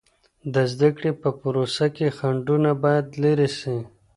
د زده کړې په پروسه کې خنډونه باید لیرې سي.